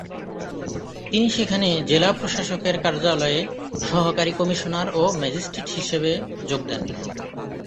তিনি সেখানে জেলা প্রশাসকের কার্যালয়ে সহকারী কমিশনার ও ম্যাজিস্ট্রেট হিসেবে যোগ দেন।